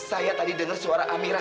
saya tadi dengar suara amirah